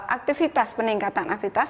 aktivitas peningkatan aktivitas